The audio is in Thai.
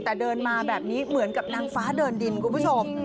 แต่เดินมาแบบนี้เหมือนกับนางฟ้าเดินดินคุณผู้ชม